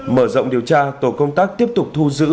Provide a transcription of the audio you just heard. mở rộng điều tra tổ công tác tiếp tục thu giữ